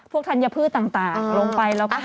มะม่วงสุกก็มีเหมือนกันมะม่วงสุกก็มีเหมือนกัน